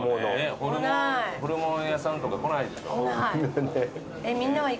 ホルモン屋さんとか来ないでしょ。来ない。